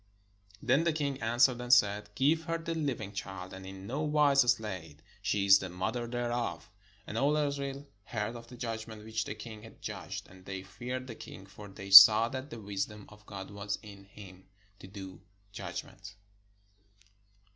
Then the king answered and said: "Give her the living child, and in no wise slay it: she is the mother thereof." And all Israel heard of the judgment which the king had judged; and they feared the king: for they saw that the wisdom of God was in him, to do judg ment.